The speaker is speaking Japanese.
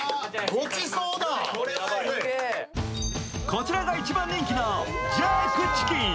こちらが一番人気のジャークチキン。